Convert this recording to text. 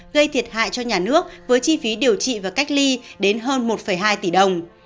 gây thiệt hại cho nhà nước với chi phí điều trị và cách ly đến hơn một hai tỷ đồng